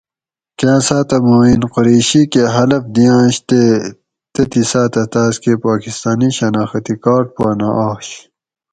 کاۤں ساۤتہۤ معین قریشی کہ حلف دِیاۤںش تے تتھیں ساۤتہ تاۤسکے پاکستانی شناختی کارڈ پا نہ آش